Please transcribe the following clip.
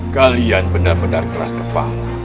kalian benar benar keras kepala